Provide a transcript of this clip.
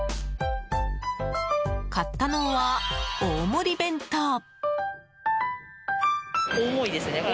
買ったのは大盛り弁当。